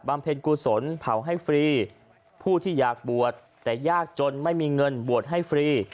เพ็ญกุศลเผาให้ฟรีผู้ที่อยากบวชแต่ยากจนไม่มีเงินบวชให้ฟรี